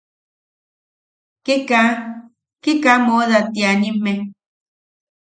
Ke kaa, ke kaa mooda tianimme.